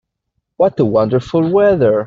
What a wonderful weather!